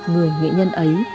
người nghệ nhân ấy